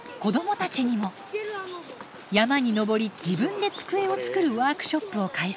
山に登り自分で机を作るワークショップを開催。